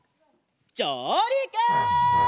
じょうりく！